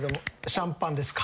シャンパンですか？